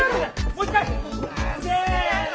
もう一回！せの！